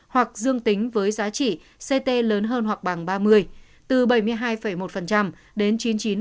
hoặc dương tính với giá trị ct lớn hơn hoặc bằng ba mươi từ bảy mươi hai một đến chín mươi chín năm